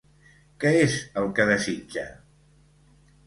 Que és el que desitja?